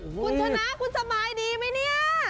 คุณชนะคุณสบายดีไหมเนี่ย